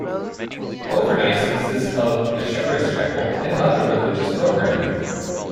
Overnights consist of "The Shepherd's Chapel" and other religious programming.